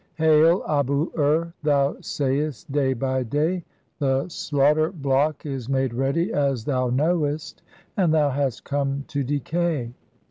Hail, Abu ur, thou sayest day by day: 'The slaughter "block is made ready as thou knowest, and thou hast come to "decay.'